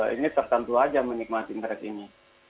ini tertentu saja menikmati interest ini